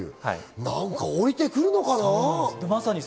何か降りてくるのかな？